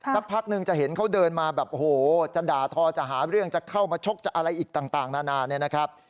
สักพักนึงจะเห็นเขาเดินมาแบบโอ้โหจะด่าทอจะหาเรื่องจะเข้ามาชกจะอะไรอีกต่างนานาเนี่ยนะครับ